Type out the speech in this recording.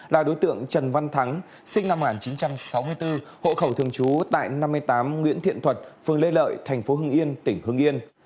là đối tượng trần văn thắng sinh năm một nghìn chín trăm sáu mươi bốn hộ khẩu thường trú tại năm mươi tám nguyễn thiện thuật phường lê lợi thành phố hưng yên tỉnh hưng yên